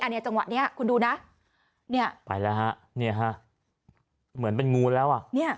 อันในจังหวะนี้คุณดูนะไปแล้วฮะเหมือนเป็นงูแล้ว